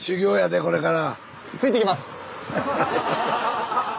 ついて行きます！